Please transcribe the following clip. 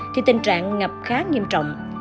thì tình trạng ngập khá nghiêm trọng